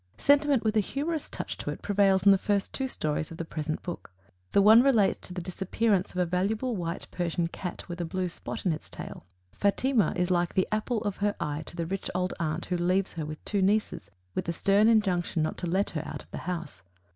Sentiment with a humorous touch to it prevails in the first two stories of the present book. The one relates to the disappearance of a valuable white Persian cat with a blue spot in its tail. "Fatima" is like the apple of her eye to the rich old aunt who leaves her with two nieces, with a stern injunction not to let her out of the house.